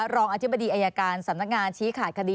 รองอธิบดีอายการสำนักงานชี้ขาดคดี